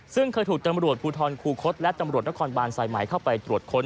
ซึ่งเคยถูกตำรวจภูทรคูคศและตำรวจนครบานสายใหม่เข้าไปตรวจค้น